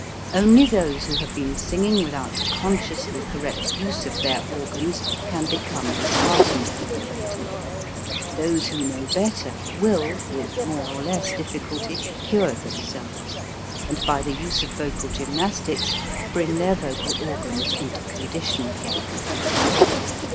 Only those who have been singing without consciously correct use of their organs can become dis heartened over it; those who know better will, with more or less difficulty, cure them selves, and by the use of vocal gymnastics bring their vocal organs into condition again.